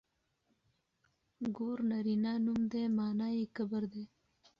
ګور نرينه نوم دی مانا يې کبر دی.